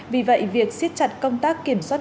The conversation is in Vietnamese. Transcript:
vì vậy việc siết chặt công tác kiểm soát